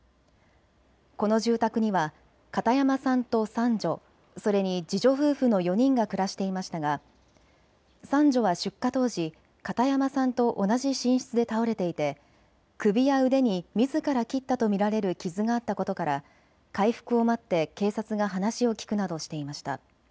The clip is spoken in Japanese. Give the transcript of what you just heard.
この住宅には片山さんと三女、それに次女夫婦の４人が暮らしていましたが三女は出火当時、片山さんと同じ寝室で倒れていで首や腕にみずから切ったと見られる傷があったことから回復を待って警察が話を聞くなどしていました。